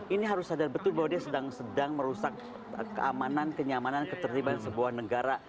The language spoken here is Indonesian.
ini harus sadar betul bahwa dia sedang merusak keamanan kenyamanan keterlibatan sebuah negara